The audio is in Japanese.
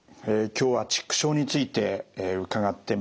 今日はチック症について伺ってまいりました。